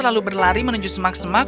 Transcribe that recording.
lalu berlari menuju semak semak